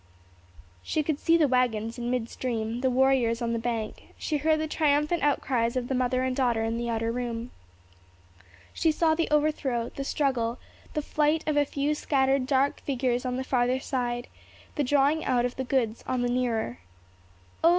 She could see the waggons in mid stream, the warriors on the bank; she heard the triumphant outcries of the mother and daughter in the outer room. She saw the overthrow, the struggle, the flight of a few scattered dark figures on the farther side, the drawing out of the goods on the nearer. Oh!